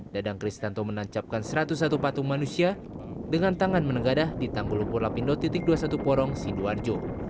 dadang kristanto menancapkan satu ratus satu patung manusia dengan tangan menegadah di tanggul lumpur lapindo dua puluh satu porong sidoarjo